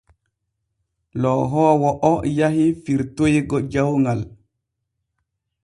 Lohoowo o yahi firtoygo jawŋal.